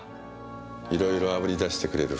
いろいろあぶり出してくれる２人です。